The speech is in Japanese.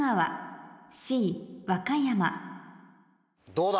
どうだ？